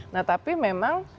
nah tapi memang